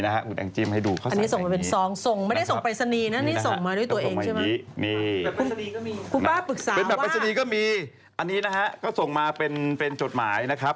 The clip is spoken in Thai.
เป็นแบบปริศนีก็มีอันนี้นะฮะก็ส่งมาเป็นจดหมายนะครับ